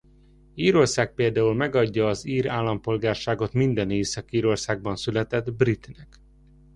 Írország például megadja az ír állampolgárságot minden Észak-Írországban született britnek.